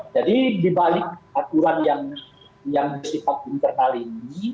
jadi dibalik aturan yang disifat internal ini